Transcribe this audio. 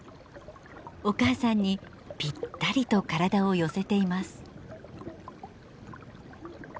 お母さんにぴったりと体を寄せています。